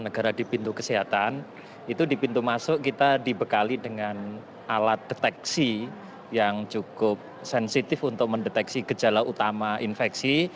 negara di pintu kesehatan itu di pintu masuk kita dibekali dengan alat deteksi yang cukup sensitif untuk mendeteksi gejala utama infeksi